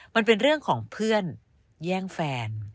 มันเป็นเรื่องของเพื่อนแย่งแฟน